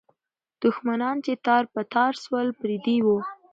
دښمنان چې تار په تار سول، پردي وو.